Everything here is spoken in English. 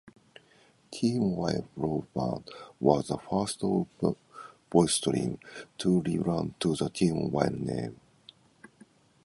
T-Mobile Broadband was the first part of VoiceStream to rebrand to the T-Mobile name.